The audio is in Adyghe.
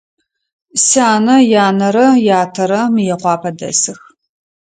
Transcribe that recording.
Сянэ янэрэ ятэрэ Мыекъуапэ дэсых.